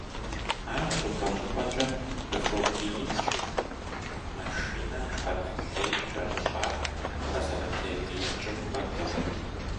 Ар щӏыпӏэ-щӏыпӏэкӏэ «къыхопӏиикӏ», машинэм шэрхъ лей кӏэрыщӏар къызэрытепӏиикӏым хуэдэу.